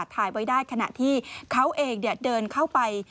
ถ่ายไว้ได้ขณะที่เขาเองเดินเข้าไป